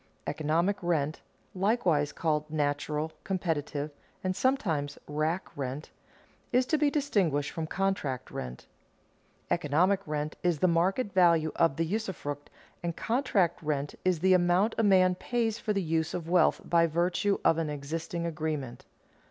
Economic rent (likewise called natural, competitive, and sometimes rack rent) is to be distinguished from contract rent. Economic rent is the market value of the usufruct, and contract rent is the amount a man pays for the use of wealth by virtue of an existing agreement.